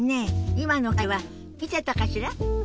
今の会話見てたかしら？